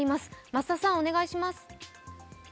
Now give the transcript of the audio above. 増田さん、お願いします。